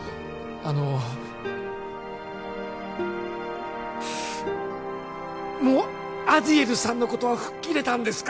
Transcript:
あのもうアディエルさんのことは吹っ切れたんですか？